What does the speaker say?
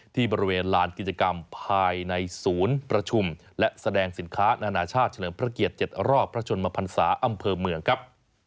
ที่บริเวณลานกิจกรรมภายในศูนย์ประชุมและแสดงสินค้านานาชาติเฉลิมพระเกียรติ๗รอบพระชนมพันศาอำเภอเมืองครับ